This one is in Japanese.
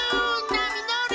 なみのり！